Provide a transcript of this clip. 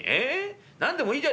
何でもいいじゃ。